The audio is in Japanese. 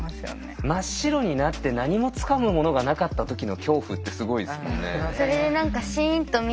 真っ白になって何もつかむものがなかった時の恐怖ってすごいですもんね。